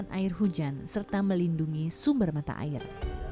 tanaman gayam juga bisa menjaga air hujan serta melindungi sumber mata air